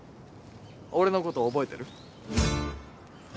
俺の事覚えてる？